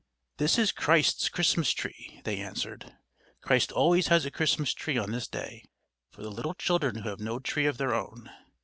"This is Christ's Christmas tree," they answered. "Christ always has a Christmas tree on this day, for the little children who have no tree of their own...."